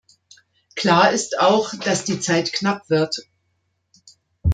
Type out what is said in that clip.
Klar ist auch, dass die Zeit knapp wird.